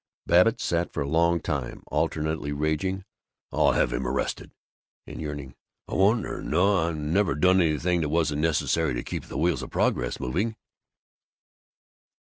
Babbitt sat for a long time, alternately raging, "I'll have him arrested," and yearning "I wonder No, I've never done anything that wasn't necessary to keep the Wheels of Progress moving."